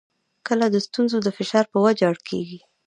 کله د ستونزو د فشار په وجه اړ کېږي.